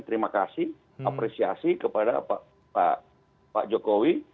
terima kasih apresiasi kepada pak jokowi